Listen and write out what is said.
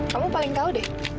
kamu paling tahu deh